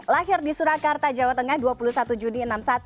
lahir di surakarta jawa tengah dua puluh satu juni enam puluh satu